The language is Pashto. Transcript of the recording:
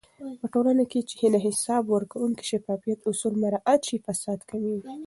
په ټولنه کې چې د حساب ورکونې او شفافيت اصول مراعات شي، فساد کمېږي.